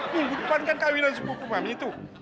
minggu depan kan kawinan sepupu mami tuh